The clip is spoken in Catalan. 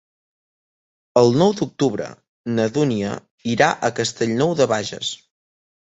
El nou d'octubre na Dúnia irà a Castellnou de Bages.